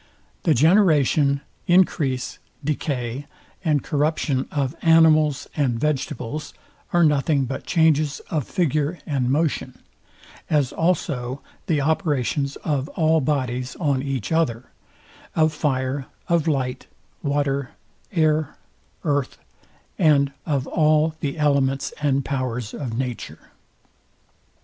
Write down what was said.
The generation, encrease, decay, and corruption of animals and vegetables, are nothing but changes of figure and motion; as also the operations of all bodies on each other; of fire, of light, water, air, earth, and of all the elements and powers of nature.